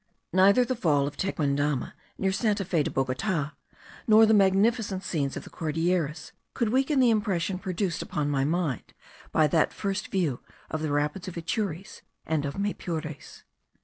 Neither the fall of the Tequendama, near Santa Fe de Bogota, nor the magnificent scenes of the Cordilleras, could weaken the impression produced upon my mind by the first view of the rapids of Atures and of Maypures.